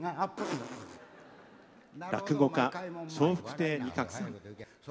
落語家・笑福亭仁鶴さん。